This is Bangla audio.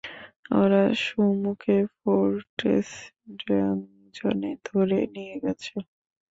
ওরা সুমোকে ফোর্ট্রেস ডাংজনে ধরে নিয়ে গেছে।